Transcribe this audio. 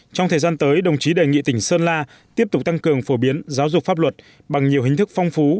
trong thời gian tới đồng chí đề nghị tỉnh sơn la tiếp tục tăng cường phổ biến giáo dục pháp luật bằng nhiều hình thức phong phú